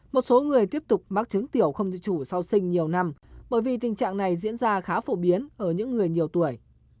một số người tiếp tục mắc chứng tiểu không chủ sau sinh nhiều năm bởi vì tình trạng này diễn ra khá phổ biến ở những người nhiều tuổi